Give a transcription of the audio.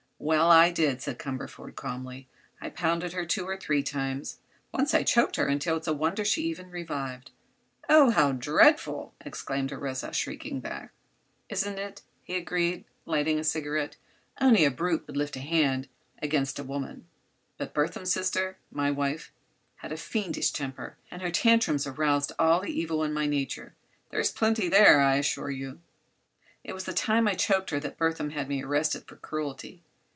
"Well, I did," said Cumberford, calmly. "I pounded her two or three times. Once I choked her until it's a wonder she ever revived." "Oh, how dreadful!" exclaimed Orissa, shrinking back. "Isn't it?" he agreed, lighting a cigarette. "Only a brute would lift his hand against a woman. But Burthon's sister—my wife—had a fiendish temper, and her tantrums aroused all the evil in my nature—there's plenty there, I assure you. It was the time I choked her that Burthon had me arrested for cruelty.